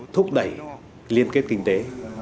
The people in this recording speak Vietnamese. thúc đẩy liên kết kinh tế